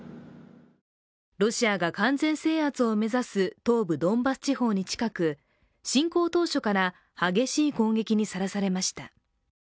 ロシアが完全制圧を目指す東部ドンバス地方に近く侵攻当初から激しい攻撃にさらされました。